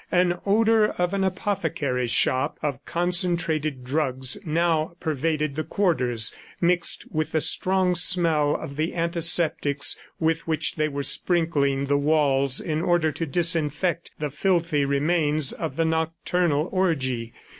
An odor of an apothecary shop, of concentrated drugs, now pervaded the quarters, mixed with the strong smell of the antiseptics with which they were sprinkling the walls in order to disinfect the filthy remains of the nocturnal orgy.